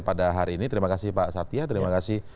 pada hari ini terima kasih pak satya terima kasih